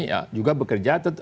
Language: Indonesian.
ya juga bekerja